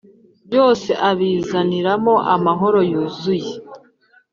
Byose abi nzaniramo amahoro yuzuye